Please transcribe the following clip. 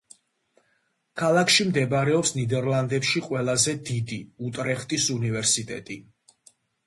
ქალაქში მდებარეობს ნიდერლანდებში ყველაზე დიდი, უტრეხტის უნივერსიტეტი.